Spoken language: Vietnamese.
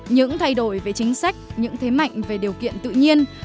những thay đổi về chính sách những thế mạnh về điều kiện tự nhiên